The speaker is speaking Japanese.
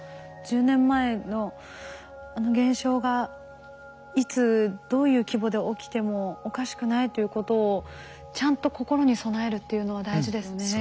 １０年前のあの現象がいつどういう規模で起きてもおかしくないということをちゃんと心に備えるっていうのは大事ですね。